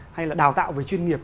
hay là đào tạo về chuyên nghiệp